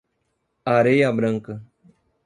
Areia Branca